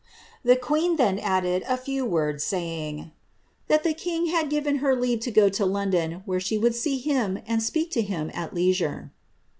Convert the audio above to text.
The queen then added a few words, saying, ^^ that the king had given her leave to go to London, where she would see him and speak, to him at leisure."